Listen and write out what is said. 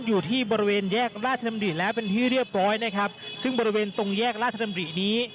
อยู่ที่บริเวณแยกราชดำริแล้วเป็นที่เรียบร้อยนะครับซึ่งบริเวณตรงแยกราชดำรินี้